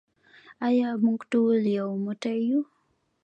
آیا موږ ټول یو موټی یو؟